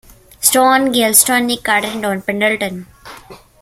Stone, Gayle Stone, Nick Carter, and Don Pendleton.